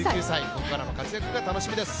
ここからも活躍が楽しみです。